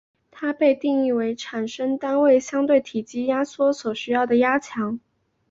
它被定义为产生单位相对体积收缩所需的压强。